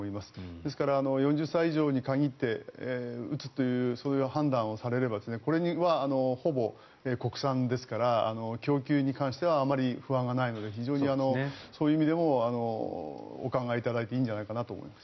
ですから、４０歳以上に限って打つというそういう判断をされればこれはほぼ国産ですから供給に関してはあまり不安がないので非常にそういう意味でもお考えいただいていいんじゃないかなと思います。